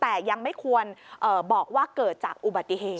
แต่ยังไม่ควรบอกว่าเกิดจากอุบัติเหตุ